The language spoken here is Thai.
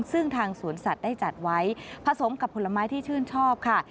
ซึ่งทางสวนสัตว์ได้จัดไว้ผสมกับผลไม้ที่ชื่นชอบค่ะ